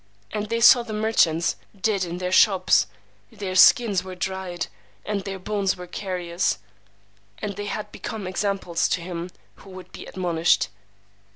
And they saw the merchants dead in their shops: their skins were dried, and their bones were carious, and they had become examples to him who would be admonished.